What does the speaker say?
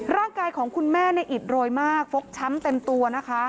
ร่างกายของคุณแม่อิดโรยมากฟกช้ำเต็มตัวนะคะ